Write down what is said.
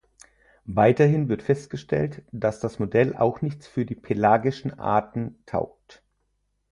Weiterhin wird festgestellt, dass das Modell auch nichts für die pelagischen Arten taugt.